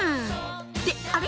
ってあれ？